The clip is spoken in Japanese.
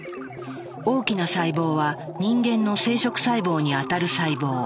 大きな細胞は人間の生殖細胞にあたる細胞。